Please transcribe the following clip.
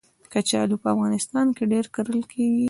کچالو په افغانستان کې ډېر کرل کېږي